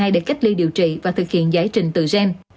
để cách ly điều trị và thực hiện giải trình tự gen